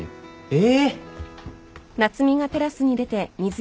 え！